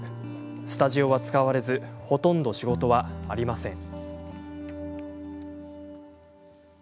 スタジオは使われずほとんど仕事はありません。